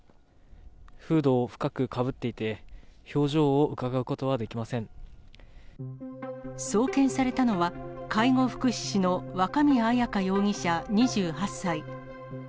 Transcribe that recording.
フードを深くかぶっていて、送検されたのは、介護福祉士の若宮綾夏容疑者２８歳。